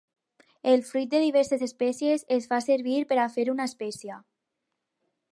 El fruit de diverses espècies es fa servir per a fer una espècia.